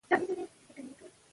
د ژوند هر پړاو خوندور دی.